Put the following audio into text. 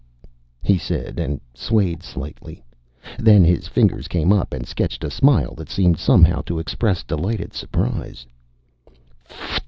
"F(t) " he said, and swayed slightly. Then his fingers came up and sketched a smile that seemed, somehow, to express delighted surprise.